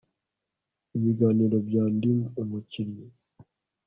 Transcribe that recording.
ibiganiro bya ndi umukinnyi